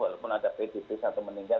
walaupun ada pedisis atau meninggal